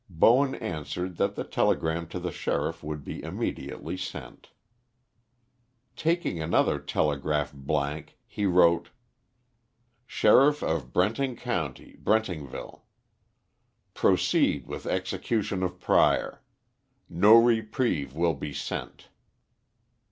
Bowen answered that the telegram to the sheriff would be immediately sent. Taking another telegraph blank, he wrote: "Sheriff of Brenting County, Brentingville. "Proceed with execution of Prior. No reprieve will be sent.